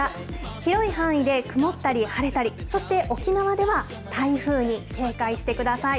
広い範囲で曇ったり晴れたり、そして沖縄では台風に警戒してください。